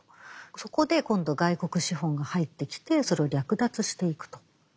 そこで今度外国資本が入ってきてそれを略奪していくと。